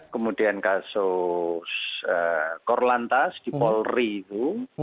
kemudian kasus korlantas di polri itu